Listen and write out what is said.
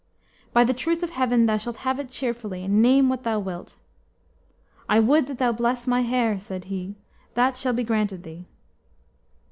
By the truth of Heaven, thou shalt have it cheerfuly, name what thou wilt." "I would that thou bless my hair," said he. "That shall be granted thee."